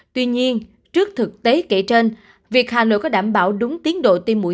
tuy nhiên trước thực tế kể trên việc hà nội có đảm bảo đúng tiến độ tiêm mũi